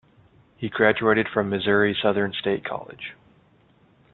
He graduated from Missouri Southern State College.